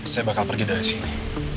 saya bakal pergi dari sini